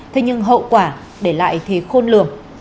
thế nhưng hậu quả để lại thì khôn lường